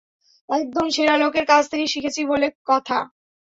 একদম, সেরা লোকের কাছ থেকে শিখেছি বলে কথা।